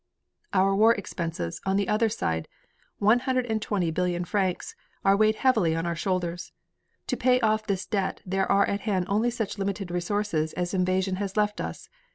"Our war expenses, on the other side, 120,000,000,000 francs, are weighing heavily on our shoulders. To payoff this debt there are at hand only such limited resources as invasion has left us.